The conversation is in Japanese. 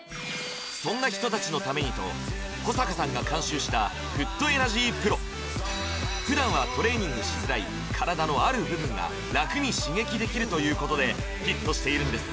そんな人達のためにと保阪さんが監修した普段はトレーニングしづらい体のある部分が楽に刺激できるということでヒットしているんです